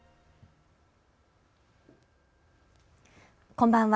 こんばんは。